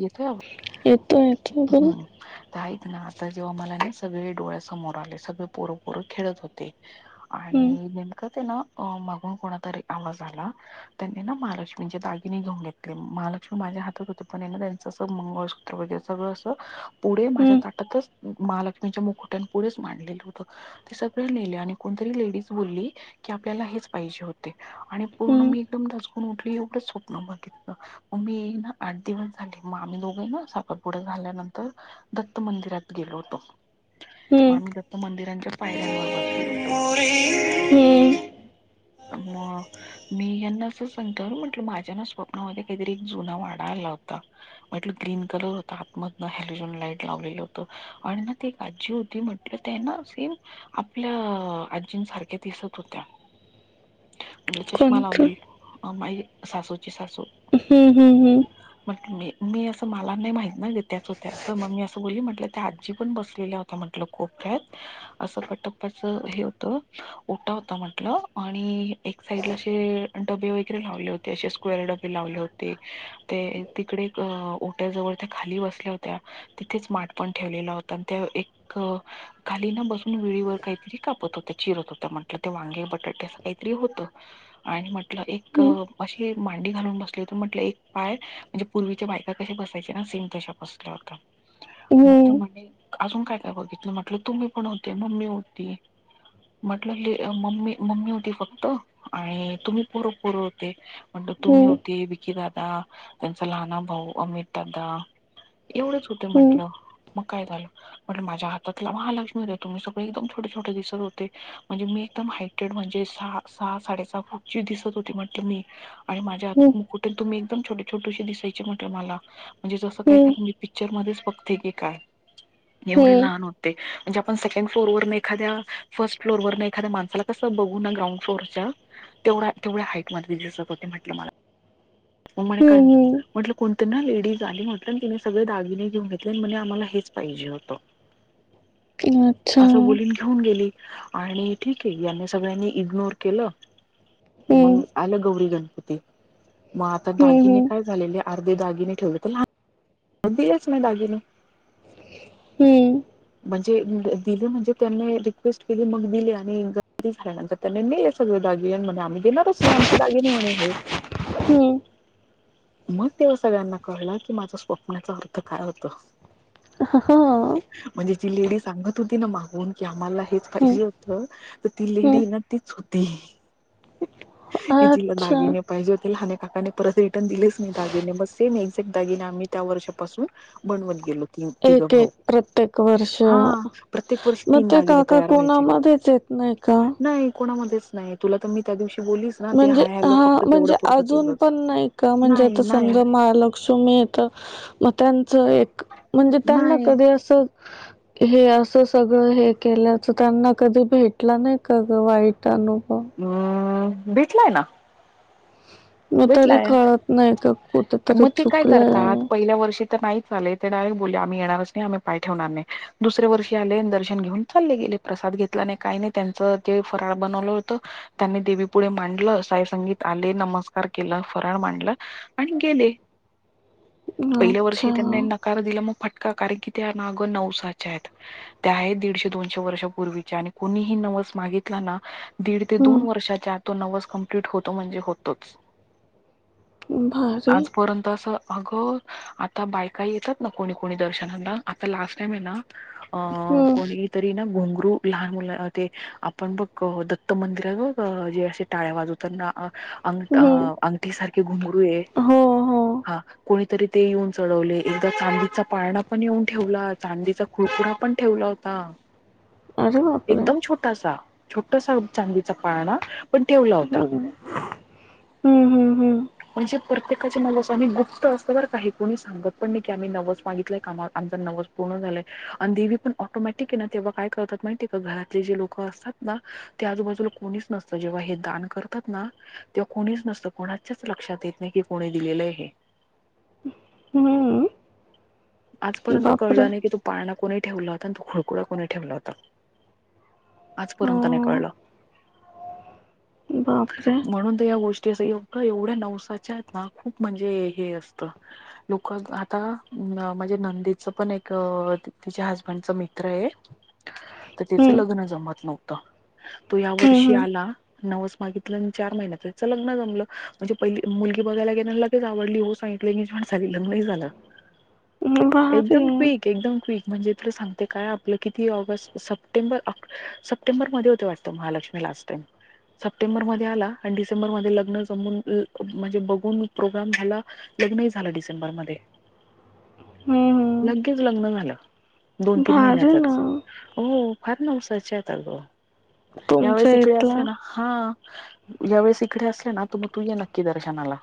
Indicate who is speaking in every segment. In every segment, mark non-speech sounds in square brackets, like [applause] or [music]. Speaker 1: येत
Speaker 2: येतो येतो बोल
Speaker 1: हम्. ऐकना आता जेव्हा मला ना सगळे डोळ्या समोर आले सगळे पोरपोर खेळत होते. आणि
Speaker 2: हम्म,
Speaker 1: नेमकं ते ना माघून कोणा तरी आवाज आला. त्यांनी ना महालक्ष्मीचे दागिने घेऊन घेतले. महालक्ष्मी माझ्या हातात होती. त्यांच अस मंगळसूत्र वगैरे सगळं असं पुढे माझ्या
Speaker 2: हम्म,
Speaker 1: ताटातच महालक्ष्मी तिचे मुकुट पुढेच मांडलेलं होत ते सगळ नेले आणि कोणतरी लेडीज बोलली की आपल्याला हेच पाहिजे होते. आणि पूर्ण
Speaker 2: हम्म,
Speaker 1: मी एकदम दचकून उठले एवढंच स्वप्न बघितलं. मी ना आठ दिवस झाले मग आम्ही दोघे ना साखरपुडा झाल्यानंतर दत्त मंदिरात गेलो होतो. मग
Speaker 2: हम्म.
Speaker 1: आम्ही दत्त मंदिरांच्या पायऱ्यांवर बसलो होतो.
Speaker 2: [unintelligible]
Speaker 1: मग. मी हेना असं सांगतो म्हटलं, माझ्या ना स्वप्नामध्ये काहीतरी जुना वाडा आला होता. म्हटलं ग्रीन कलर होता. आतमधन हॅलोजोन लाईट लावलेलं होत, आणि ना ती आजी होती म्हट त्यांना सेम आपल्या आजीनं सारख्या दिसत होत्या. म्हटलं चष्मा
Speaker 2: कोणतं
Speaker 1: लावलेल माई सासूची सासू.
Speaker 2: हम्म हम् हम्.
Speaker 1: म्हटलो मी मी असं मला नाही माहित ना गं त्याचं होत्या, असं मग मी असं बोली म्हटलं त्या आजी पण बसलेल्या. तर म्हटलं कोपऱ्यात. असं पटप्पाच हे होत. ओटा होता म्हंटलं आणि एक साईडला असे डबे वगैरे लावले होते. असे स्क्वेर डबे लावले होते ते. तिकडे एक ओट्याजवळ त्या खाली बसल्या होत्या. तिथेच माठ पण ठेवलेला होता. आणि एक, खालीना बसून विळीवर काहीतरी कापत होत्या. चिरत होत्या म्हटलं ते वांगे बटाटे असं काहीतरी होतं. आणि म्हटलं एक
Speaker 2: हम्म.
Speaker 1: अशी मांडी घालून बसली होती म्हटलं एक पाय. म्हणजे पूर्वीच्या बायका कशी बसायचे ना, सेम तशा बसल्या होत्या. मग ते
Speaker 2: हम्म,
Speaker 1: म्हणे अजून काय काय बघितलं, म्हटलं तुम्ही पण होते मम्मी होती. म्हटलं मम्मी मम्मी होती फक्त, आणि तुम्ही पोरपोर होते. म्हटलं तुम्ही
Speaker 2: हम्म,
Speaker 1: होते विकी दादा. त्यांचा लहना भाऊ अमित दादा एवढंच होते.
Speaker 2: हम्म,
Speaker 1: म्हटलं मग काय झालं. म्हणल माझ्या हातात महालक्ष्मी होते तुम्ही सगळे एकदम छोटे छोटे दिसत होते. म्हणजे मी एकदम हाय म्हणजे सा सहा साडे सहा फुट ची दिसत होती म्हटलं मी. आणि माझ्या हात मुकट ये, आणि तुम्ही एकदम छोटे. छोटीशी दिसायची म्हटलं मला, म्हणजे जसं
Speaker 2: हम्म,
Speaker 1: काय तर म्हणजे पिक्चर मध्येच बघते की काय. एवढे
Speaker 2: हम्म,
Speaker 1: लहान होतं. ते म्हणजे आपण सेकंड फ्लोरवररने एखाद्या, फर्स्ट फ्लोरने एखाद्या माणसाला कसं बघू ना ग्राउंड फ्लोरच्या. तेवढा तेवढ्या हाईटमध्ये दिसत होते म्हटलं मला.
Speaker 2: [inaudible]
Speaker 1: मग म्हणे काय झालं.
Speaker 2: हम्म,
Speaker 1: म्हटलं कोणते ना लेडीज आली. म्हटलं तिने सगळे दागिने घेऊन घेतले आणि म्हणे, आम्हाला हेच पाहिजे होतं.
Speaker 2: [inaudible] हम्म. अच्छा
Speaker 1: असं
Speaker 2: हम्म,
Speaker 1: बोलीन. घेऊन गेली. आणि ठीक आहे यांनी सगळ्यांनी इग्नोर केलं. मग आलं गौरी गणपती मगं आता
Speaker 2: हम्म,
Speaker 1: दागिने.
Speaker 2: हम्म,
Speaker 1: काय झालेले अर्धे दागिने ठेवले. [unintelligible] दिलेच नाही दागिने.
Speaker 2: हम्म.
Speaker 1: म्हणजे दिले म्हणजे, त्यांनी रिक्वेस्ट केली मग दिले आणि गणपती झाल्यानंतर. त्या नाही आहे सगळे दागिने आणि, म्हणे आम्ही देणारच नाही आमचे दागिने म्हणे हे.
Speaker 2: हम.
Speaker 1: मग तेव्हा सगळ्यांना कळलं की, माझा स्वप्नाचा अर्थ काय होत.
Speaker 2: हं हं अं.
Speaker 1: म्हणजे जी लेडी सांगत होती ना, मागून की आम्हाला हेच
Speaker 2: हम्म,
Speaker 1: पाहिजे होतं. तर ती
Speaker 2: हम्म.
Speaker 1: लेडी ना तीच होती.
Speaker 2: [inaudible]
Speaker 1: कि तिला
Speaker 2: अच्छा
Speaker 1: दागिने पाहिजे होते. लहाने काकाने परत ये दिलेच नाही दागिने सेम येकझ्याट दागिने आम्ही त्या वर्षापासून बनवत गेलो. तिघं
Speaker 2: एक
Speaker 1: भाऊ
Speaker 2: एक प्रत्येक वर्ष
Speaker 1: हा
Speaker 2: मग
Speaker 1: प्रत्येक वर्षी तीन
Speaker 2: ते
Speaker 1: दागिने
Speaker 2: काका
Speaker 1: तयार व्हायचे.
Speaker 2: कोणामध्येच येत नाही का
Speaker 1: नाही कोणामध्येच नाही. तुला तर मी त्या दिवशी बोलीच.
Speaker 2: म्हणजे हा म्हणजे अजून पण नाही. का म्हणजे
Speaker 1: नाही
Speaker 2: आता
Speaker 1: नाही
Speaker 2: समजा, महालक्ष्मी येत मग त्यांचं. म्हणजे त्यांना
Speaker 1: नाही
Speaker 2: कधी असं. हे असं सगळं हे केल्याचं त्यांना, कधी भेटलं नाही का गं वाईट अनुभव.
Speaker 1: हम्म भेटलाय ना.
Speaker 2: मग तरी
Speaker 1: भेटलाय
Speaker 2: कळत नाही का कुठेतरी
Speaker 1: मग ते काय करतात
Speaker 2: चुकलंय
Speaker 1: पहिल्या वर्षी. तर नाहीच आले ते डायरेक्ट बोले आम्ही येणारच नाही. आम्ही पाय ठेवणार नाही, दुसऱ्या वर्षी आले आणि दर्शन घेऊन चाले गेले. प्रसाद घेतला नाही काय नाही त्याचं ते फराळ बनवलं होतं. त्यांनी देवी पुुढे मांडलं, साई संगीत आले नमस्कार. केलं. फराळ मांडला आणि गेले पहिल्या
Speaker 2: अच्छा
Speaker 1: वर्षी तेनी. कार दिला मग फटका कारण, कि त्या नागं नवसाच्या आहेत. त्या आहे दीडशे दोनशे वर्षापूर्वीच्या, आणि कोणीही नवस मागितला ना. दीड ते दोन
Speaker 2: हम्म
Speaker 1: वर्षाच्या आत तो, नवस कम्प्लीट होतो म्हणजे होतोच.
Speaker 2: भारी
Speaker 1: आजपर्यंत असं अगं. आता बायका येतात ना, कोणी कोणी दर्शनांना आता लास्ट टाईम ये ना. अ
Speaker 2: हम्म
Speaker 1: कोणी. तरी ना घोंगरू लहान मु ते, आपण बघ दत्त मंदिरात ब जे असे. टाळ्या वाजवताना अंग अ
Speaker 2: हम्म
Speaker 1: अंगठी सारखे घुंगरू ये.
Speaker 2: हो हो
Speaker 1: हा कोणीतरी ते येऊन चढवले. एकदा चांदीचा पाळणा पण येऊन ठेवला, चांदीचा कुरफुडा पण ठेवला होता.
Speaker 2: अरे बापरे
Speaker 1: एकदम छोटासा छोटासा चांदीचा पाळणा पण ठेवला
Speaker 2: हम्म
Speaker 1: होता.
Speaker 2: हम्म हम्म
Speaker 1: म्हणजे प्रत्येकाचे नवस गुप्त असत बरं का हे. कोणी सांगत पण नाही की, आम्ही नवस मागितलाय कामाचा नवस. पूर्ण झालंय आणि देवी पण ऑटोमॅटिक ना. तेव्हा काय करतात माहितीय का घरातले जे लोक असतात ना. ते आजूबाजूला कोणीच नसतं. जेव्हा हे दान करतात ना, तेव्हा कोणीच नसतं कोणा कोणाचाचं लक्षात येत नाही की, कोणी दिलेलं आहे हे.
Speaker 2: हम्म हम्म
Speaker 1: आजपर्यंत
Speaker 2: बापरे
Speaker 1: कळलं नाही की तुम पाळणा कोणी ठेवला होता, आणि तो खुळखुळा कोणी ठेवला होता. आजपर्यंत नाही कळलं.
Speaker 2: हो बापरे.
Speaker 1: म्हणून तर या गोष्टी असं एं एवढ्या नवसाच्या आहेत ना, खूप म्हणजे हे असतं. लोकं आता म्हणजे, माझ्या नंदेचं पण एक तिच्या हजबंडच मित्र ये. तर तिचं
Speaker 2: हम्म
Speaker 1: लग्न जमत नव्हतं. तो या
Speaker 2: हं,
Speaker 1: वर्षी आला नवस मागितला. आणि चार महिन्यात त्याचं लग्न जमलं. म्हणजे पहिली मुलगी बघायला गेला. आणि लगेच आवडली हो सांगितली [unintelligible]
Speaker 2: हं. भारी
Speaker 1: एकदम
Speaker 2: आहे.
Speaker 1: क्विक. एकदम क्वीक म्हणजे, तुला सांगते काय आपलं किती ऑगस्ट सप्टेंबर ऑक्टो सप्टेंबर मध्ये होते वाटतं महालक्ष्मी लास्ट टाईम. सप्टेंबर मध्ये आला आणि डिसेंबर लग्नं झा म्हणजे बघून प्रोग्राम झाला. लग्नही झालं डिसेंबरमध्ये.
Speaker 2: हं, हं.
Speaker 1: लगेच लग्न झालं. दोन तीन
Speaker 2: भारी ना
Speaker 1: महिन्यातच हो, फार नवसाच्या आहेत आगं.
Speaker 2: तुमच्या
Speaker 1: यावेेळेस इकडे
Speaker 2: इथला.
Speaker 1: असलं ना हा, यावेेळेस इकडे असले ना तू मग तू ये नक्की दर्शनाला.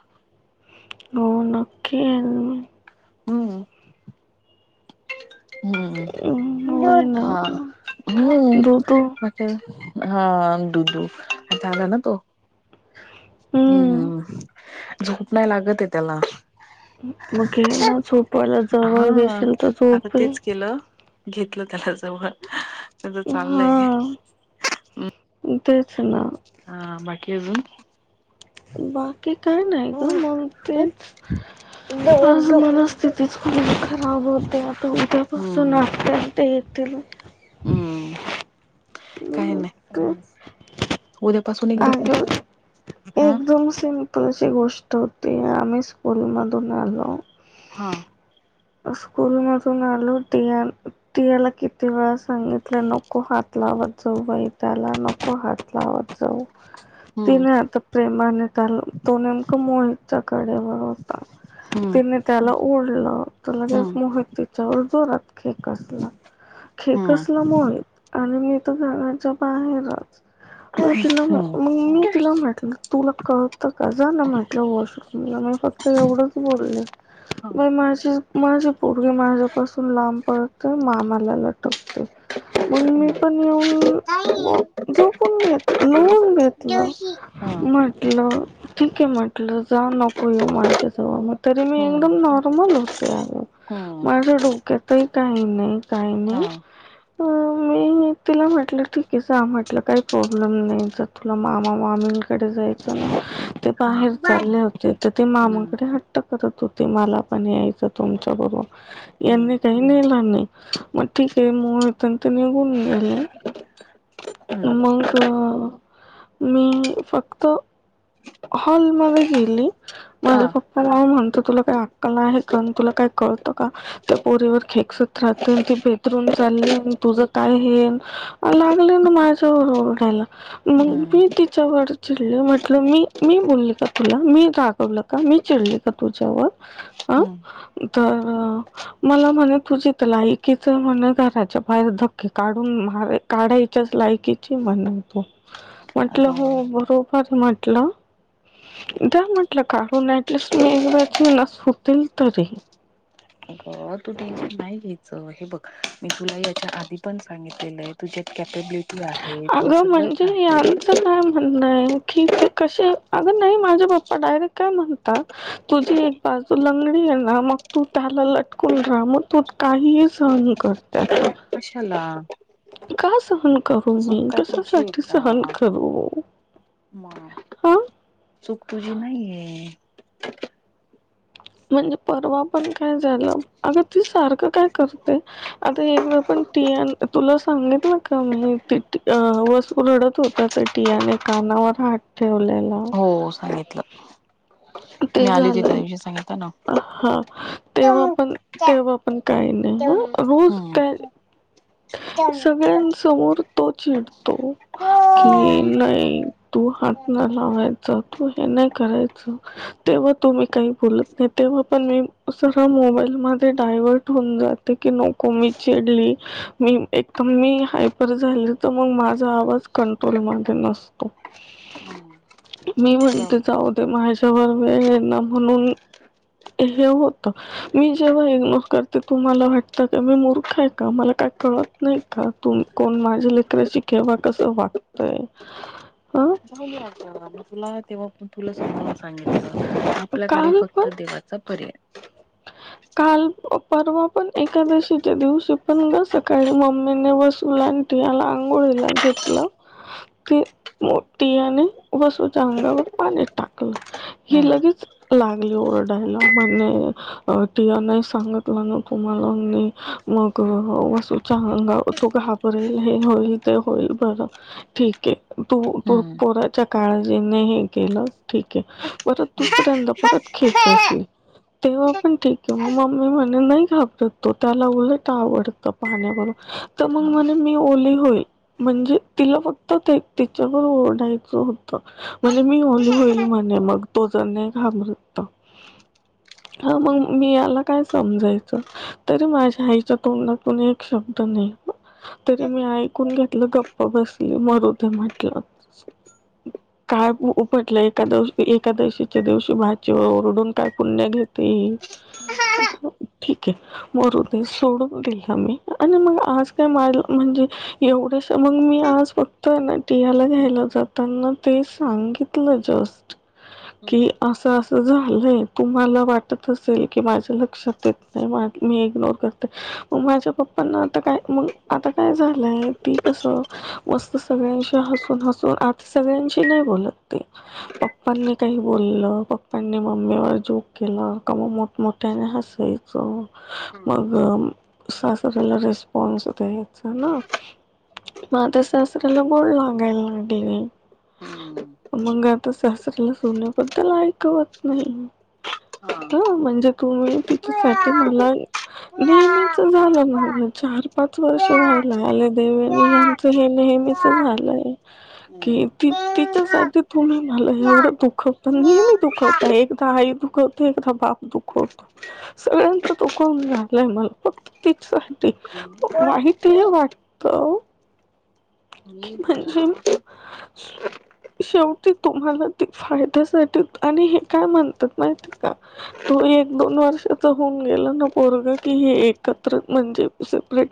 Speaker 2: हो नक्कीे येईन.
Speaker 1: हम्म.
Speaker 2: हं,
Speaker 1: हम
Speaker 2: होय ना.
Speaker 1: हा हम.
Speaker 2: दूधू
Speaker 1: हा दुधू आता आला ना तो. हम
Speaker 2: हं.
Speaker 1: हम झोप नाही लागत ये त्याला.
Speaker 2: मग घेना झोपायला
Speaker 1: हा
Speaker 2: जवळ घेशील तर
Speaker 1: आता
Speaker 2: झोपे
Speaker 1: तेच केलं घेतलं त्याला जवळ. त्याच
Speaker 2: हा
Speaker 1: चाललंय
Speaker 2: तेच ना.
Speaker 1: हा बाकी अजून.
Speaker 2: बाकी काय नाही गं, मग ते आज मला. स्थिती खूप खराब होते. आता उद्यापासून ते
Speaker 1: हम्म
Speaker 2: आत्या तेन येतील.
Speaker 1: हम्म कायं
Speaker 2: हम्म,
Speaker 1: नाही.
Speaker 2: तेच.
Speaker 1: उद्यापासून एकदम काय
Speaker 2: अगं
Speaker 1: हां.
Speaker 2: एकदम [unintelligible] गोष्ट होती आम्ही स्कूलमधून आलो.
Speaker 1: हां.
Speaker 2: स्कूल मधून आलो आणि ति अण. पियाला किती वेळा सांगितलं. नको हात लावत जाऊ बाई त्याला नको हात लावत जाऊ.
Speaker 1: हम्म
Speaker 2: तिने आता प्रेमाने काल तो, नेमका मोहितच्या कडेवर होता.
Speaker 1: हम्म
Speaker 2: तिने त्याला ओढलं. तर
Speaker 1: हम्म
Speaker 2: लगेच मोहित तिच्यावर जोरात खेकसला.
Speaker 1: हम्म
Speaker 2: खेकसला म हो आणि मी तर घराच्या बाहेरच. मग तिला मग
Speaker 1: हम्म
Speaker 2: मी तिला म्हटलं, तुला कळतं का जाना म्हटलं वॉशरूमला मी फ तर एवढंच बोले मी माझीच. माझी पोरगी माझ्यापासून लांब पळते. मामाला लटक. मग मी पण. ऊन
Speaker 1: हम्म
Speaker 2: झोपून घेत लून घेतलं.
Speaker 1: जोशी हा
Speaker 2: म्हटलं. ठीक आहे. म्हटलं जा नको येवू माझ्या जवळ. मग तरी मी
Speaker 1: हम्म
Speaker 2: एकदम नॉर्मल होत
Speaker 1: हम्म
Speaker 2: माझ्या डोक्यातही काही नाही काही
Speaker 1: हा
Speaker 2: नाही अ मी. तिला म्हटलं ठीक आहे जा म्हटलं, काही प्रॉब्लेम नाही जर तुला मामा मामींकड जाय [unintelligible] ते
Speaker 1: हा
Speaker 2: बाहेर चालले होते. तर ते
Speaker 1: हम्म
Speaker 2: मामाकडे हट्ट करत होते, मला पण यायचं. तुमच्या बरोबर यांनी
Speaker 1: हम्म
Speaker 2: काही न्हेल नाही. मग ठीक आहे मोब तर ते निघून गेले.
Speaker 1: हम्म
Speaker 2: मग मी फक्तं. हॉलमध्ये गेले.
Speaker 1: हा
Speaker 2: माझ्या पप्पाला म्हणतो, तुला काय आक कल आहे आन तुला काय कळतं का. त्या पोरीवर खेकसत राहतो. ती बेदरून चाली आण तुझं काय हे. लागले ना माझ्यावर ओरडायला मग,
Speaker 1: हम्म
Speaker 2: मी तिच्यावर चिडले म्हटलं मी. मी बोली का तुला मी रागवलं का, मी चिडली का तुझ्यावर.
Speaker 1: हम्म.
Speaker 2: त अ मला म्हणे, तुझी त लायकीच म्हणे घराच्या बाहेर धक्के काढून मारे. काढायच्याच लायकीची म्हणतो. म्हटलं
Speaker 1: अगं
Speaker 2: हो, बरोबर म्हटलं. द्या म्हटलं काढून, ऍट लिस्ट मी एकदाची ना सुटेन तरी.
Speaker 1: [unintelligible] तू टेन्शन नाही घ्यायचं. हे बघ, मी तुला याच्या आधी पण सांगितलेलं आहे, तुझ्यात कॅपेबिलिटी आहे. तुझ्यात
Speaker 2: अगं
Speaker 1: सगळंच
Speaker 2: म्हणजे यांचं
Speaker 1: आहे.
Speaker 2: काय म्हणणं आहे की, ते कसे, अगं, नाही माझ्या पप्पा डायरेक्ट काय म्हणतात. तुझी एक बाजू लंगडी आहे ना, मग तू त्याला लटकून राहा. मग तू काहीही सहन कर त्याचं.
Speaker 1: कशाला?
Speaker 2: का सहन करू
Speaker 1: चूक
Speaker 2: मी?
Speaker 1: काय तुझी आहे
Speaker 2: कशासाठी सहन
Speaker 1: का
Speaker 2: करू?
Speaker 1: मग,
Speaker 2: हा
Speaker 1: चूक तुझी नाहीये.
Speaker 2: म्हणजे, परवा पण काय झालं, अग ती सारखं काय करते. आता एकदा पण टीन तुला सांगितलं का? म्हणे वसु रडत होत आ तर त्या टियाने कानावर हात ठेवलेला.
Speaker 1: हो सांगितलं. मी
Speaker 2: ते
Speaker 1: आली होती त्या
Speaker 2: झालंय.
Speaker 1: दिवशी सांगितलं ना
Speaker 2: अ हा, तेव्हा पण,
Speaker 1: हम्म
Speaker 2: तेव्हा पण काही नाही ना रोज त्या
Speaker 1: जाऊन
Speaker 2: सगळ्यांसमोर तो चिडतो. कि नाही, तू हात नाय लावायच, तू हे नाही करायच. तेव्हा तुम्ही काही बोलत नाही. तेव्हा पण मी सर्व मोबाईल मध्ये डायव्हर्ट होऊन जाते. [unintelligible] नको मी चिडले मी एकदम, मी हायपर झाली तर, मग माझा आवाज कंट्रोल मध्ये नसतो. मी म्हणते जाऊ दे, माझ्यावर वेळ आहे ना, म्हणून. हे होतं. मी जेव्हा इग्नोर करते तुम्हाला वाटतं का मी मूर्ख आहे का? मला काय कळत नाही का? तुम कोण माझ्या लेकराशीं केव्हा कसं वागताय? आं.
Speaker 1: [unintelligible] आता, आमी तुला तेव्हा पन तुला समजून सांगितलं, आपल्याकडे
Speaker 2: काल
Speaker 1: फक्त
Speaker 2: पण
Speaker 1: देवा सब पर्याय.
Speaker 2: [inaudible] काल, परवा पण सकाळी एकादशीच्या दिवशी पण न सकाळी मम्मीने बस मला याला आंघोळीला घेतलं ते म टिया ने वसूच्या अंगावर पाणी टाकलं. हे
Speaker 1: हम्म
Speaker 2: लगेच लागले ओरडायला. मला. टीया नाही सांगतला ना तुम्हाला, मग वासूच्या अंगावर तो घाबर पुढे हे होईल, ते होईल, बघा. ठीक आहे. तू तू
Speaker 1: हम्म
Speaker 2: पोराच्या काळजीने हे केलं, ठीक आहे. म दुसऱ्यांदा परत खेकसले तेव्हा पण ठीक आहे. मग मम्मी म्हणे, नाही घाबरत तो. त्याला उलट आवडत, पाण्यावरून तर मग
Speaker 1: हा
Speaker 2: म्हणे मी ओली होईल. म्हणजे तिला फक्त ते, तिच्यावर ओढायचं होतं. म्हणजे मी ओली होईल म्हणे मग, तो जर नाही घाबरत तर. हा, मग मी याला काय समजायचं? तरी माझ्या आईच्या तोंडातून एक शब्द नाही. तरी मी ऐकून घेतलं. गप्प बसली. मरु दे म्हटलं. काय उपटलं एकादवशी एकादशीच्या दिवशी भाचीवर ओरडून काय पुण्य घेत ते-ठीके. मरू दे, सोडून दिल मी आणि मग आज काय मायला म्हणजे एवढंस मग मी आज फक्त ना टीयाला घ्यायला जाताना ते सांगित तल जस्ट, कि
Speaker 1: हम्म
Speaker 2: अस अस झालंय तुम्हाला वाट त तसंय की, माझ्या लक्षात येत नाही, मी इग्नोर करते, मग माझ्या पप्पांना आता काय मग आता काय झालंय, ती कसं, मस्त सगळ्यांशी हसून हसून, आता सगळ्यांशी नाही बोलत. ती पप्पांनी काही बोललं पप्पांनी मम्मीवर जोक केला आओ मोठमोठ्याने हसायचं,
Speaker 1: हम्म
Speaker 2: मग अस अस झालं, रेस्पॉन्स द्यायचा ना? म आता सासर्‍याला गोड लागायला लागलय.
Speaker 1: हम्म
Speaker 2: मंग आता सासर्‍याला सुनेबद्दल ऐकवत नाही.
Speaker 1: हा
Speaker 2: ह, म्हणजे तुम्ही तिच्यासाठी मला नेहमीच झालं, मला चार पाच वर्ष व्हायला आले देवेनी यां तर हे नेहमीच झालंय. कि त तिच्यासाठी तुम्ही मला एवढं दुखवता पण नेहमी दुखव त एकदा आई दुखवते एकदा बाप दुखवतो. सगळ्यांच तदुखवून झालंय मला फक्त तिच् राहते. माहितेय वाटतं आओ
Speaker 1: इतकुला [unintelligible]
Speaker 2: [unintelligible] शेवटी तुम्हाला तेी फायद्यासाठी आणि हे काय म्हणतात माहिती का? तो एक दोन वर्षाचा होऊन गेला ना पोरग की हे एकत्र म्हणजे सेपरेट